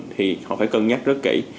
thì họ phải cân nhắc rất kỹ